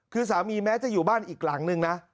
คือสามีแม้จะอยู่บ้านอีกหลังนึงนะ